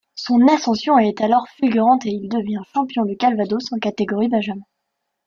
Son ascension est alors fulgurante et il devient Champion du Calvados en catégorie benjamins.